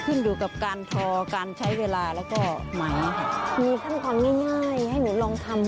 ขึ้นอยู่กับการทอการใช้เวลาแล้วก็ไหมค่ะมีขั้นตอนง่ายง่ายให้หนูลองทำ